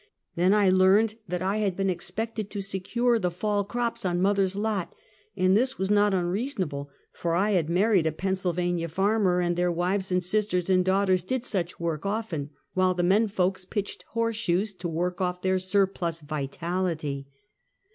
Then I learned that I had been exjDected to secure 46 Half a Centuey. tlie fall crops on mother's lot, and this was not unrea sonable, for I bad married a Pennsylvania farmer, and tbeir wives and sisters and daughters did sucb M^ork often, while the " men folks " pitched horseshoes to work off tbeir surplus vitality.